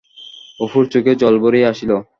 অপুর চোখে জল ভরিয়া আসিল।